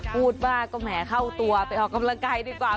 พูดว่าก็แหมเข้าตัวไปออกกำลังกายดีกว่า